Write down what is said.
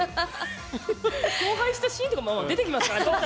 荒廃したシーンとかも出てきますから。